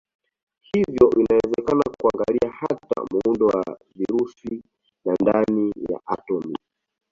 Hivyo inawezekana kuangalia hata muundo wa virusi na ndani ya atomi.